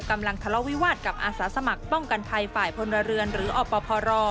กำลังทะเลาวิวาสกับอาสาสมัครป้องกันภัยฝ่ายพลเรือนหรืออปพร